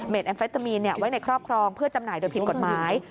แอมเฟตามีนไว้ในครอบครองเพื่อจำหน่ายโดยผิดกฎหมาย